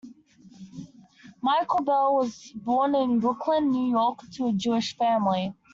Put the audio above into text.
Michael Bell was born in Brooklyn, New York to a Jewish family.